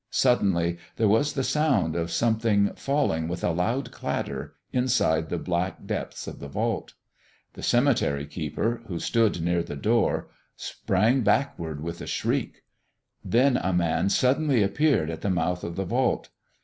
Suddenly there was the sound of something falling with a loud clatter inside the black depths of the vault. The cemetery keeper, who stood near the door, sprang backward with a shriek. Then a man suddenly appeared at the mouth of the vault.